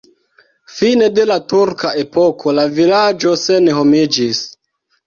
Fine de la turka epoko la vilaĝo senhomiĝis.